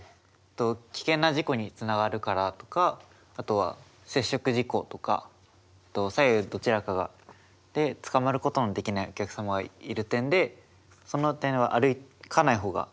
危険な事故につながるからとかあとは接触事故とか左右どちらかがでつかまることのできないお客さまがいる点でその点は歩かない方がいいなと思いました。